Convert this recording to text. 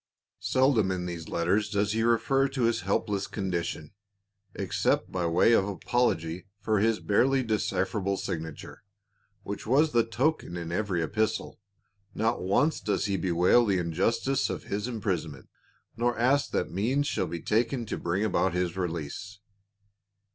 Seldom in these letters does he refer to his helpless condition, except by way of apology for his barely decipherable signature, "which was the token in ever}^ epistle." Not once does he bewail the injustice of his imprisonment, nor ask that means shall be taken to bring about his release.